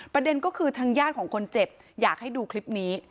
ประเด็นก็คือทางญาติของคนเจ็บอยากให้ดูคลิปนี้